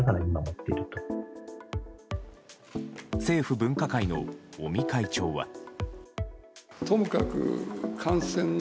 政府分科会の尾身会長は。